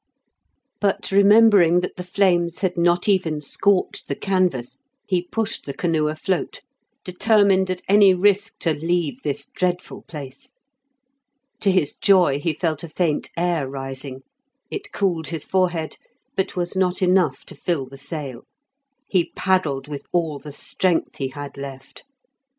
But remembering that the flames had not even scorched the canvas, he pushed the canoe afloat, determined at any risk to leave this dreadful place. To his joy he felt a faint air rising; it cooled his forehead, but was not enough to fill the sail. He paddled with all the strength he had left.